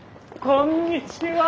こんにちは。